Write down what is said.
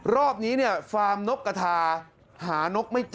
รอบนี้เนี่ยฟาร์มนกกระทาหานกไม่เจอ